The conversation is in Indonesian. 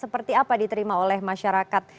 seperti apa diterima oleh masyarakat